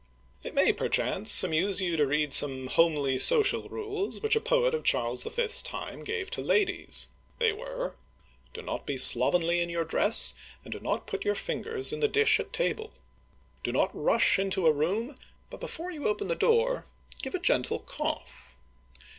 It may, perchance, amuse you to read some homely social rules which a poet of Charles V.*s time gave to ladies. They were :" Do not be slovenly in your dress, and do not put your fingers in the dish at table. ... Do not rush into a room, but before you open the door give a gentle cough.